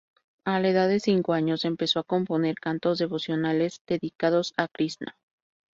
A la edad de cinco años, empezó a componer cantos devocionales dedicados a Krishna.